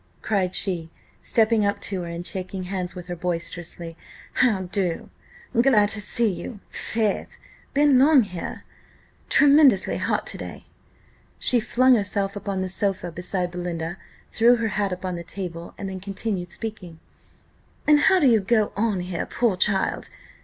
cried she, stepping up to her, and shaking hands with her boisterously "How do? Glad to see you, faith! Been long here? Tremendously hot to day!" She flung herself upon the sofa beside Belinda, threw her hat upon the table, and then continued speaking. "And how d'ye go on here, poor child?